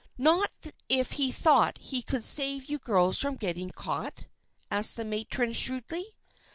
"Not if he thought he could save you girls from getting caught?" asked the matron, shrewdly.